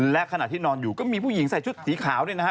และขณะที่นอนอยู่ก็มีผู้หญิงใส่ชุดสีขาวเนี่ยนะฮะ